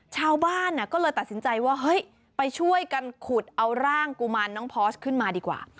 ชาวบ้านก็เลยตัดสินใจว่าเฮ้ยไปช่วยกันขุดเอาร่างกุมารน้องพอสขึ้นมาดีกว่า